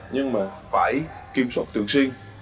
nhưng mà phải kiểm soát tương xuyên